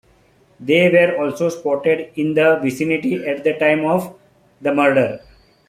They were also spotted in the vicinity at the time of the murder.